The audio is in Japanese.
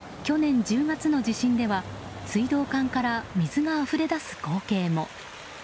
一方、去年１０月の地震では水道管から水があふれ出す光景も。